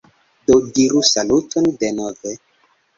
Do diru saluton denove